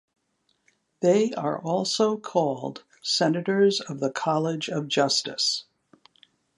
They are also called Senators of the College of Justice.